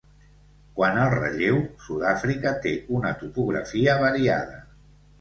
Quant al relleu, Sud-àfrica té una topografia variada.